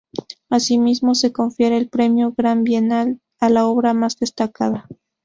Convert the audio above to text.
Así mismo se confiere el premio Gran Bienal a la obra mas destacada.